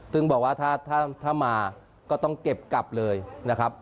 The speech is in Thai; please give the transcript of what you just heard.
ซึ่งบอกว่าถ้ามาก็ต้องเก็บกลับเลยนะครับ